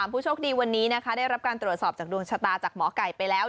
ผู้โชคดีวันนี้นะคะได้รับการตรวจสอบจากดวงชะตาจากหมอไก่ไปแล้ว